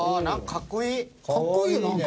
かっこいいなんか。